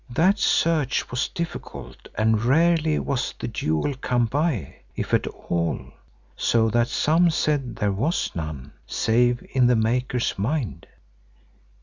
That search was difficult and rarely was the jewel come by, if at all, so that some said there was none, save in the maker's mind.